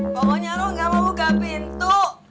pokoknya roh nggak mau buka pintu